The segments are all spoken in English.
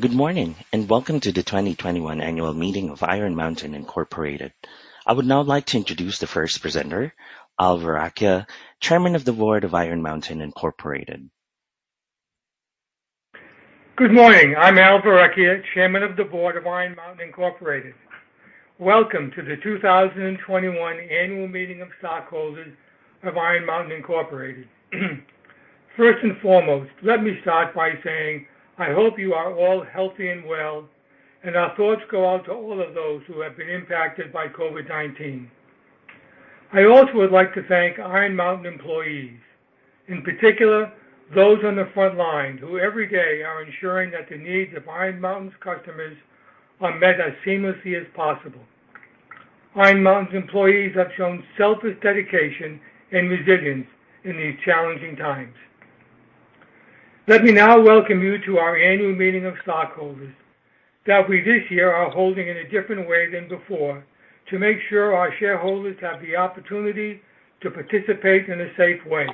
Good morning, and welcome to the 2021 Annual Meeting of Iron Mountain Incorporated. I would now like to introduce the first presenter, Al Verrecchia, Chairman of the Board of Iron Mountain Incorporated. Good morning. I'm Al Verrecchia, Chairman of the Board of Iron Mountain Incorporated. Welcome to the 2021 annual meeting of stockholders of Iron Mountain Incorporated. First and foremost, let me start by saying I hope you are all healthy and well, and our thoughts go out to all of those who have been impacted by COVID-19. I also would like to thank Iron Mountain employees. In particular, those on the front line who every day are ensuring that the needs of Iron Mountain's customers are met as seamlessly as possible. Iron Mountain's employees have shown selfless dedication and resilience in these challenging times. Let me now welcome you to our annual meeting of stockholders, that we this year are holding in a different way than before to make sure our shareholders have the opportunity to participate in a safe way.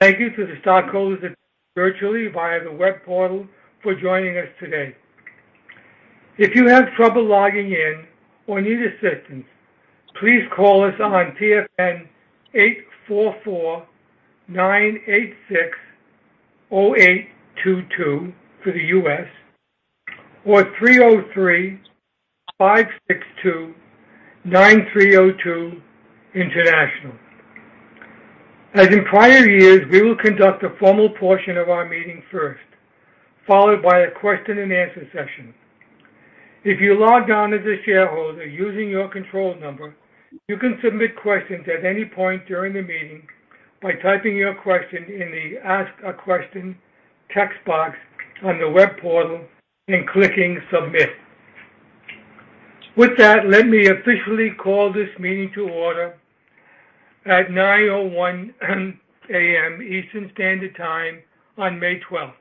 Thank you to the stockholders virtually via the web portal for joining us today. If you have trouble logging in or need assistance, please call us on TFN 844-986-0822 for the U.S., or 303-562-9302 international. As in prior years, we will conduct a formal portion of our meeting first, followed by a question and answer session. If you logged on as a shareholder using your control number, you can submit questions at any point during the meeting by typing your question in the Ask a Question text box on the web portal and clicking Submit. With that, let me officially call this meeting to order at 9:01 A.M. Eastern Standard Time on May 12th.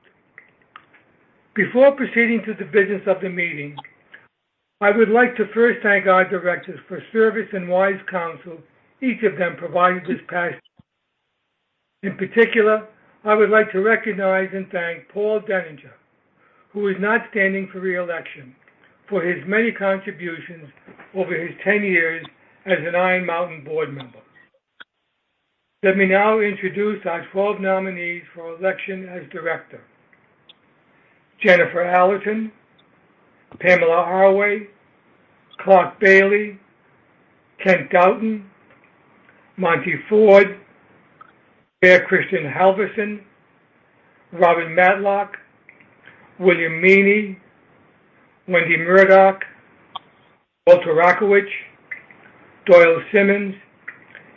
Before proceeding to the business of the meeting, I would like to first thank our directors for service and wise counsel each of them provided this past year. In particular, I would like to recognize and thank Paul Deninger, who is not standing for re-election, for his many contributions over his 10 years as an Iron Mountain board member. Let me now introduce our 12 nominees for election as director. Jennifer Allerton, Pamela M. Arway, Clarke Bailey, Kent P. Dauten, Monte Ford, Per-Kristian Halvorsen, Robin Matlock, William Meaney, Wendy J. Murdock, Walter C. Rakowich, Doyle Simons,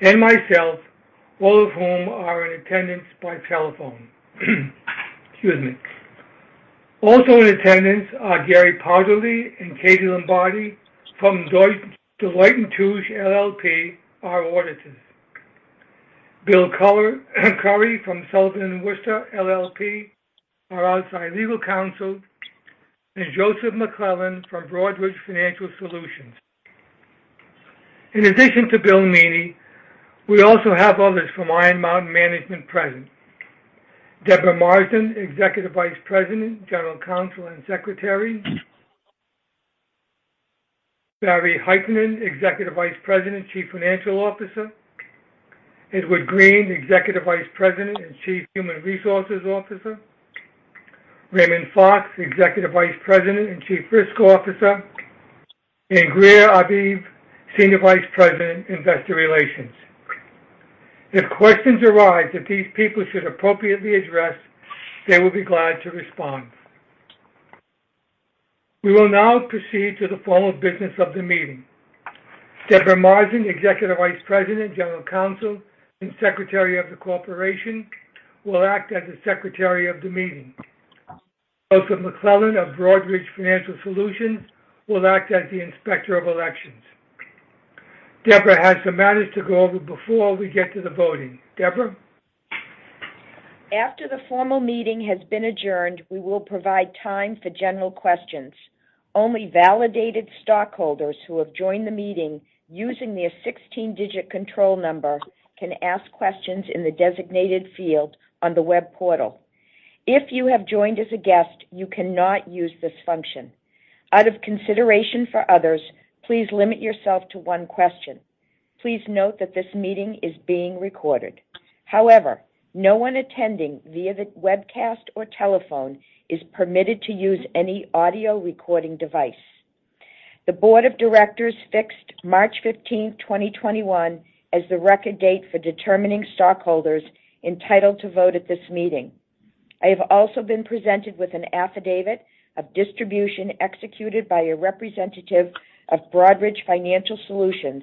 and myself, all of whom are in attendance by telephone. Excuse me. Also in attendance are Gary Parterly and Katie Lombardi from Deloitte & Touche LLP, our auditors. William J. Curry from Sullivan & Worcester LLP, our outside legal counsel, and Joseph McClellan from Broadridge Financial Solutions. In addition to William Meaney, we also have others from Iron Mountain Management present. Deborah Marson, Executive Vice President, General Counsel and Secretary. Barry Hytinen, Executive Vice President, Chief Financial Officer. Edward Greene, Executive Vice President and Chief Human Resources Officer. Raymond Fox, Executive Vice President and Chief Risk Officer. Greer Aviv, Senior Vice President, Investor Relations. If questions arise that these people should appropriately address, they will be glad to respond. We will now proceed to the formal business of the meeting. Deborah Marson, Executive Vice President, General Counsel, and Secretary of the Corporation, will act as the Secretary of the Meeting. Joseph McClellan of Broadridge Financial Solutions will act as the Inspector of Elections. Deborah has some matters to go over before we get to the voting. Deborah? After the formal meeting has been adjourned, we will provide time for general questions. Only validated stockholders who have joined the meeting using their 16-digit control number can ask questions in the designated field on the web portal. If you have joined as a guest, you cannot use this function. Out of consideration for others, please limit yourself to one question. Please note that this meeting is being recorded. However, no one attending via the webcast or telephone is permitted to use any audio recording device. The Board of Directors fixed March 15th, 2021, as the record date for determining stockholders entitled to vote at this meeting. I have also been presented with an affidavit of distribution executed by a representative of Broadridge Financial Solutions,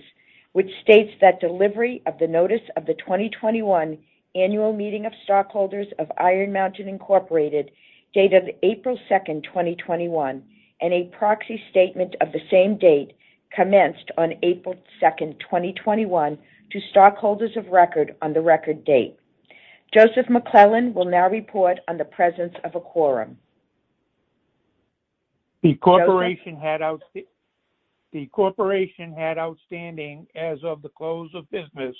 which states that delivery of the notice of the 2021 Annual Meeting of Stockholders of Iron Mountain Incorporated, dated April 2nd, 2021, and a proxy statement of the same date commenced on April 2nd, 2021, to stockholders of record on the record date. Joseph McClellan will now report on the presence of a quorum. The corporation had outstanding as of the close of business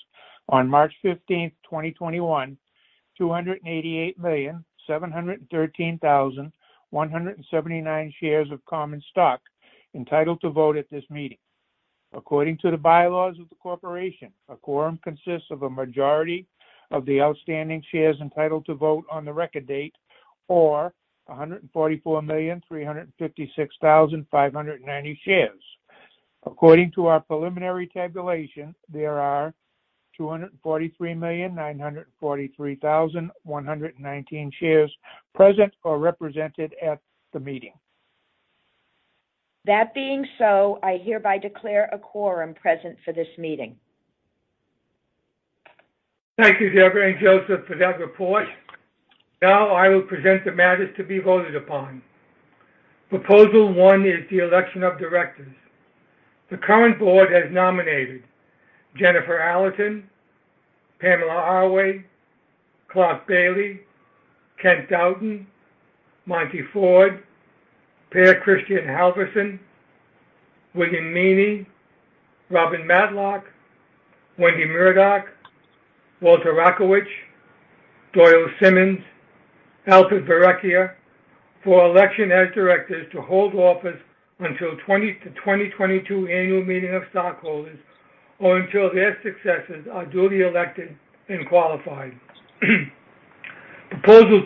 on March 15th, 2021, 288,713,179 shares of common stock entitled to vote at this meeting. According to the bylaws of the corporation, a quorum consists of a majority of the outstanding shares entitled to vote on the record date or 144,356,590 shares. According to our preliminary tabulation, there are 243,943,119 shares present or represented at the meeting. That being so, I hereby declare a quorum present for this meeting. Thank you, Deborah and Joseph, for that report. Now I will present the matters to be voted upon. Proposal one is the election of directors. The current board has nominated Jennifer Allerton, Pamela M. Arway, Clarke Bailey, Kent P. Dauten, Monte Ford, Per-Kristian Halvorsen, William Meaney, Robin Matlock, Wendy J. Murdock, Walter C. Rakowich, Doyle Simons, Alfred Verrecchia for election as directors to hold office until 2022 annual meeting of stockholders or until their successors are duly elected and qualified. Proposal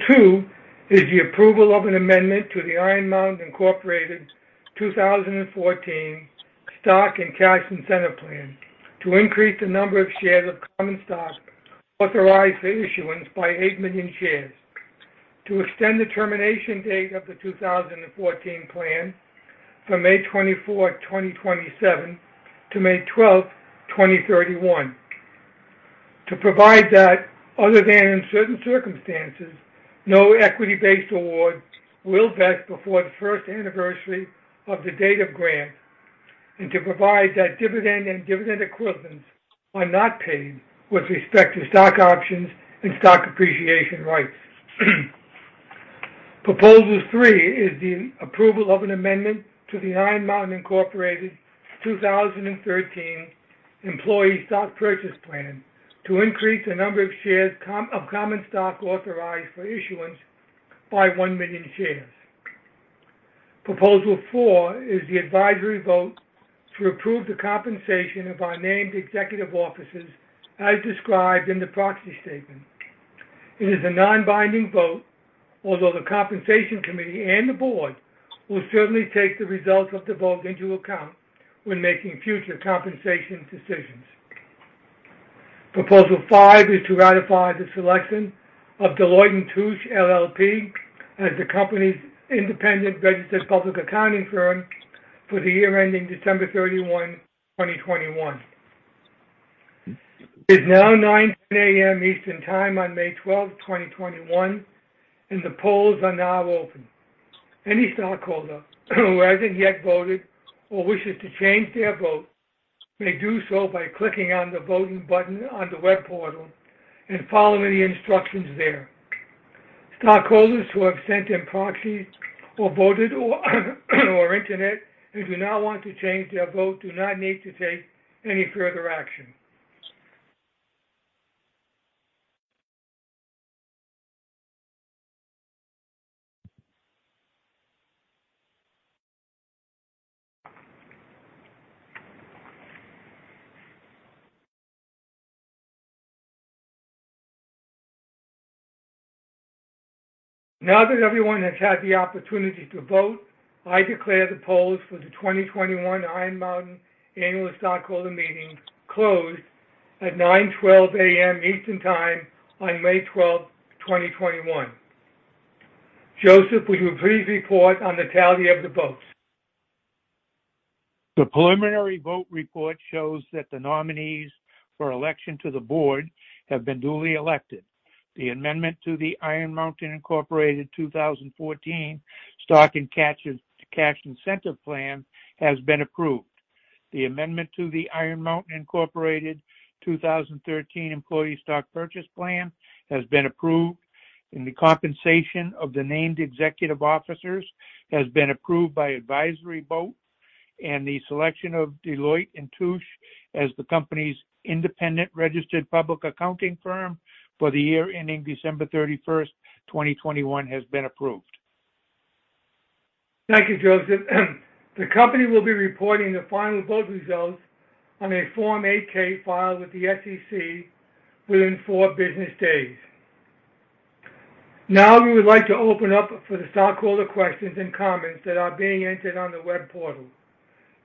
two is the approval of an amendment to the Iron Mountain Incorporated 2014 Stock and Cash Incentive Plan to increase the number of shares of common stock authorized for issuance by 8 million shares, to extend the termination date of the 2014 plan from May 24th, 2027 to May 12th, 2031, to provide that other than in certain circumstances, no equity-based award will vest before the first anniversary of the date of grant and to provide that dividend and dividend equivalents are not paid with respect to stock options and stock appreciation rights. Proposal three is the approval of an amendment to the Iron Mountain Incorporated 2013 Employee Stock Purchase Plan to increase the number of shares of common stock authorized for issuance by 1 million shares. Proposal four is the advisory vote to approve the compensation of our named executive officers as described in the proxy statement. It is a non-binding vote, although the compensation committee and the board will certainly take the results of the vote into account when making future compensation decisions. Proposal five is to ratify the selection of Deloitte & Touche LLP as the company's independent registered public accounting firm for the year ending December 31, 2021. It's now 9:00 A.M. Eastern Time on May 12th, 2021, and the polls are now open. Any stockholder who hasn't yet voted or wishes to change their vote may do so by clicking on the voting button on the web portal and following the instructions there. Stockholders who have sent in proxies or voted over internet and do now want to change their vote do not need to take any further action. Now that everyone has had the opportunity to vote, I declare the polls for the 2021 Iron Mountain Annual Stockholder Meeting closed at 9:12 A.M. Eastern Time on May 12th, 2021. Joseph, would you please report on the tally of the votes? The preliminary vote report shows that the nominees for election to the board have been duly elected. The amendment to the Iron Mountain Incorporated 2014 Stock and Cash Incentive Plan has been approved. The amendment to the Iron Mountain Incorporated 2013 Employee Stock Purchase Plan has been approved. The compensation of the named executive officers has been approved by advisory vote. The selection of Deloitte & Touche as the company's independent registered public accounting firm for the year ending December 31st, 2021, has been approved. Thank you, Joseph. The company will be reporting the final vote results on a Form 8-K filed with the SEC within four business days. We would like to open up for the stockholder questions and comments that are being entered on the web portal.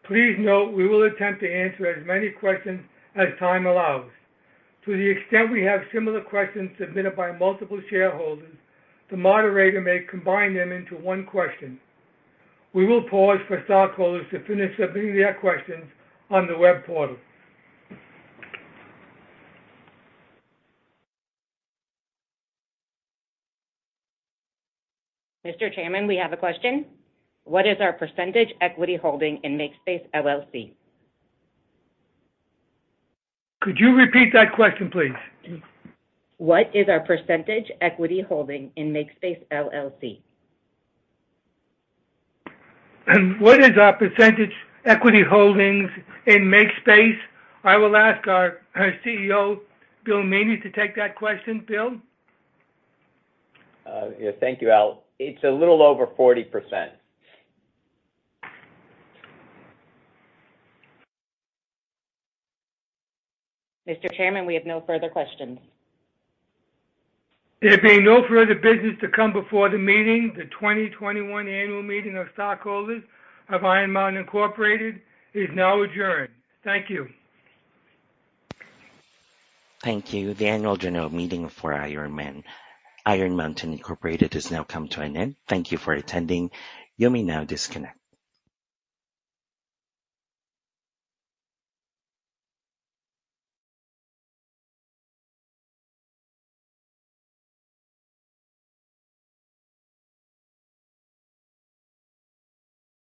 Please note we will attempt to answer as many questions as time allows. To the extent we have similar questions submitted by multiple shareholders, the moderator may combine them into one question. We will pause for stockholders to finish submitting their questions on the web portal. Mr. Chairman, we have a question. What is our percentage equity holding in MakeSpace LLC? Could you repeat that question please? What is our percentage equity holding in MakeSpace LLC? What is our percentage equity holdings in MakeSpace? I will ask our CEO, Bill Meaney, to take that question. Bill? Yeah. Thank you, Al. It's a little over 40%. Mr. Chairman, we have no further questions. There being no further business to come before the meeting, the 2021 annual meeting of stockholders of Iron Mountain Incorporated is now adjourned. Thank you. Thank you. The Annual General Meeting for Iron Mountain Incorporated has now come to an end. Thank you for attending. You may now disconnect.